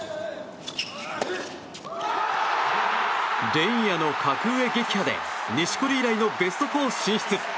連夜の格上撃破で錦織以来のベスト４進出！